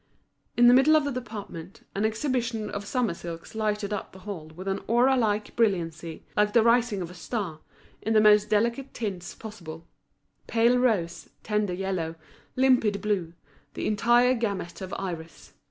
In the middle of the department, an exhibition of summer silks lighted up the hall with an aurora like brilliancy, like the rising of a star, in the most delicate tints possible: pale rose, tender yellow, limpid blue, the entire gamut of Iris.